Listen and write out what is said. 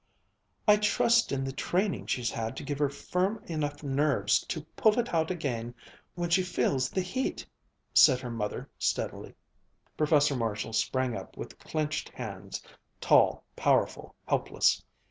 "I trust in the training she's had to give her firm enough nerves to pull it out again when she feels the heat," said her mother steadily. Professor Marshall sprang up, with clenched hands, tall, powerful, helpless.